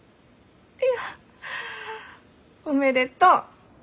いやおめでとう。